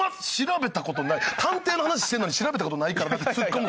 探偵の話してるのに「調べた事ないからな」ってツッコむ。